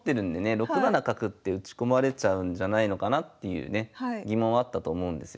６七角って打ち込まれちゃうんじゃないのかなっていうね疑問はあったと思うんですよ。